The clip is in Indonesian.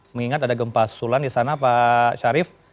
mengingat ada gempa susulan di sana pak syarif